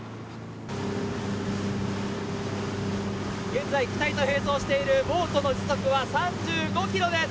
現在機体と並走しているボートの時速は３５ｋｍ／ｈです。